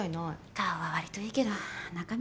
顔は割といいけど中身